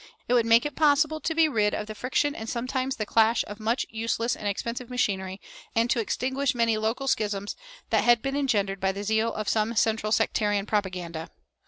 It would make it possible to be rid of the friction and sometimes the clash of much useless and expensive machinery, and to extinguish many local schisms that had been engendered by the zeal of some central sectarian propaganda.